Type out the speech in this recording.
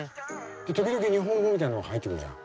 で時々日本語みたいなのが入ってくるじゃん。